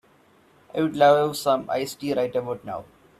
I'd love me some iced tea right about now.